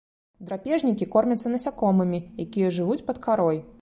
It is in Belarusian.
Драпежнікі, кормяцца насякомымі, якія жывуць пад карой.